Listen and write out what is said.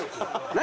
何？